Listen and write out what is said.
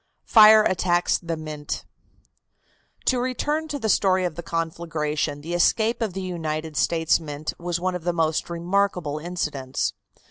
FIRE ATTACKS THE MINT. To return to the story of the conflagration, the escape of the United States Mint was one of the most remarkable incidents.